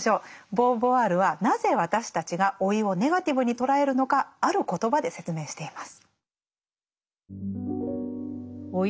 ボーヴォワールはなぜ私たちが老いをネガティブに捉えるのかある言葉で説明しています。